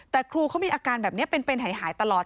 แต่ครูเขามีอาการแบบนี้เป็นหายตลอด